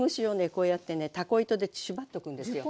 こうやってねたこ糸で縛っておくんですよ。